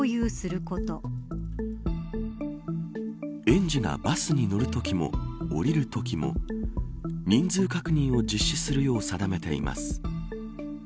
園児がバスに乗るときも降りるときも人数確認を実施するように定めています。